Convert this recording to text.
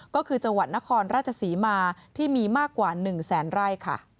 ก็คือจังหวัดนครราชศรีมาที่มีมากกว่า๑แสนไร่ค่ะ